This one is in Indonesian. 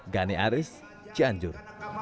gani aris cianjur